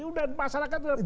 udah masyarakat udah tahu